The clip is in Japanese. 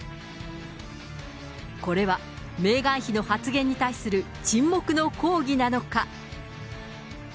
これは、メーガン妃の発言に対する沈黙の抗議なのか？